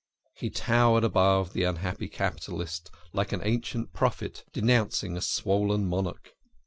He towered above the unhappy capitalist, like an ancient prophet denouncing a swollen monarch.